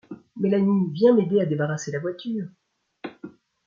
Mélanie, viens m’aider à débarrasser la voiture !